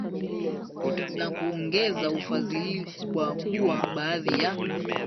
na kuongeza ufadhiliKwa kuwa baadhi ya